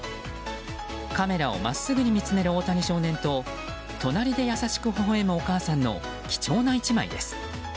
カメラを真っすぐに見つめる大谷少年と隣で優しくほほ笑むお母さんの貴重な１枚です。